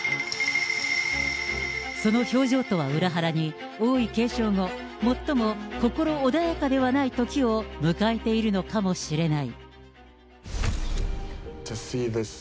その表情とは裏腹に、王位継承後、最も心穏やかではない時を迎えているのかもしれない。